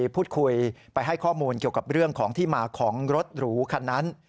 พูดคุยไปให้ข้อมูลเกี่ยวกับเรื่องของที่มาของรถหรูคันนั้น